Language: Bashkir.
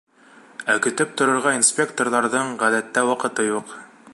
Ә көтөп торорға инспекторҙарҙың, ғәҙәттә, ваҡыты юҡ.